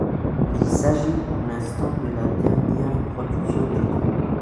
Il s'agit pour l'instant de la dernière production du groupe.